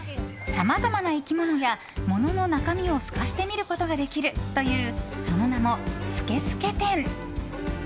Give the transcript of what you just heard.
さまざまな生き物やものの中身を透かして見ることができるというその名も「スケスケ展」。